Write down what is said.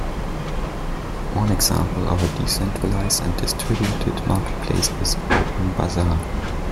One example of a decentralized and distributed marketplace is OpenBazaar.